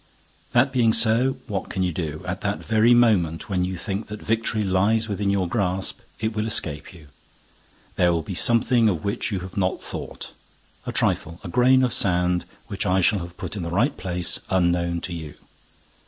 That being so—what can you do? At that very moment when you think that victory lies within your grasp, it will escape you—there will be something of which you have not thought—a trifle—a grain of sand which I shall have put in the right place, unknown to you.